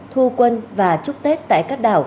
thu quân và chúc tết tại các đảo